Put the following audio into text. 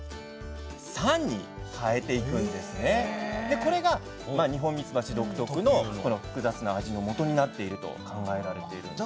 これがニホンミツバチ独特のこの複雑な味のもとになっていると考えられているんです。